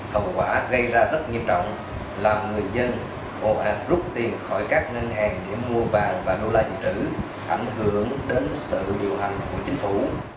thậu quả gây ra rất nghiêm trọng làm người dân bộ ảnh rút tiền khỏi các nền hàng để mua vàng và đô la dự trữ ảnh hưởng đến sự điều hành của chính phủ